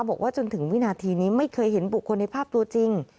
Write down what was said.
บอกว่าจนถึงวินาทีนี้ไม่เคยเห็นบุคคลในภาพตัวจริง